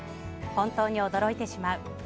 本当に驚いてしまう。